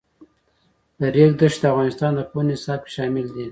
د ریګ دښتې د افغانستان د پوهنې نصاب کې شامل دي.